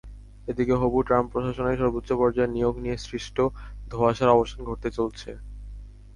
এদিকে, হবু ট্রাম্প প্রশাসনের সর্বোচ্চ পর্যায়ের নিয়োগ নিয়ে সৃষ্ট ধোঁয়াশার অবসান ঘটতে চলেছে।